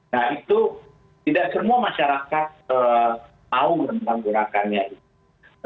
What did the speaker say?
nah itu tidak semua masyarakat tahu tentang gerakannya itu